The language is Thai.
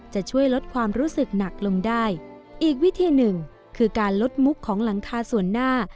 จะช่วยลดความรู้สึกหนักลงได้อีกวิธีหนึ่งคือการลดมุกของหลังคาส่วนหน้า